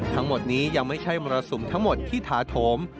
ทั้งหมดนี้ยังไม่ใช่มรสุมทั้งหมดที่ถาโถม